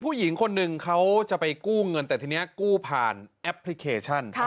ผู้หญิงคนหนึ่งเขาจะไปกู้เงินแต่ทีนี้กู้ผ่านแอปพลิเคชัน